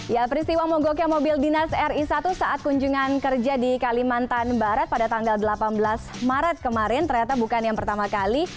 ya peristiwa mogoknya mobil dinas ri satu saat kunjungan kerja di kalimantan barat pada tanggal delapan belas maret kemarin ternyata bukan yang pertama kali